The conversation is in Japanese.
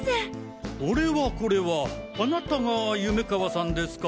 これはこれはあなたが夢川さんですか！